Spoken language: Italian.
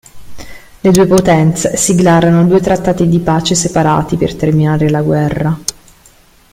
Le due potenze siglarono due trattati di pace separati per terminare la guerra.